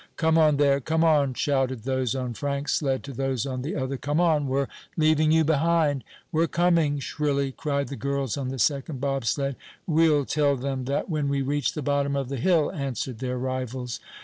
"Come on there! Come on!" shouted those on Frank's sled to those on the other. "Come on, we're leaving you behind!" "We're coming!" shrilly cried the girls on the second bobsled. "We'll tell them that when we reach the bottom of the hill," answered their rivals.